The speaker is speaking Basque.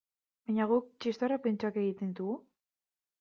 Baina guk txistorra pintxoak egiten ditugu?